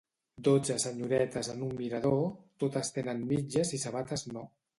Dotze senyoretes en un mirador, totes tenen mitges i sabates no.